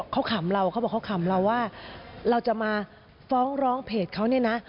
เขาขำเราเขาบอกเขาขำเราว่าเราจะมาฟ้องร้องเพจเขาเนี่ยนะ